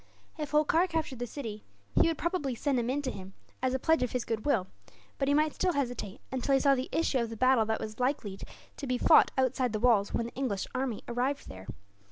If Holkar captured the city, he would probably send him in to him as a pledge of his goodwill; but he might still hesitate, until he saw the issue of the battle that was likely to be fought outside the walls, when the English army arrived there.